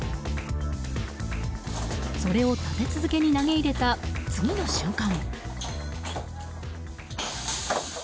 それを立て続けに投げ入れた次の瞬間。